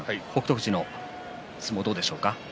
富士の相撲、どうでしょうか。